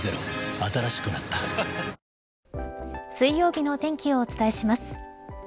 新しくなった水曜日のお天気をお伝えします。